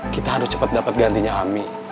kita harus cepat dapat gantinya ami